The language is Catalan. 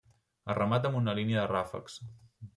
Es remata amb una línia de ràfecs.